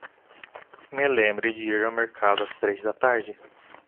Me lembre de ir ao mercado ás três da tarde.